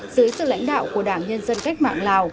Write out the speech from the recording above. dưới sự lãnh đạo của đảng nhân dân cách mạng lào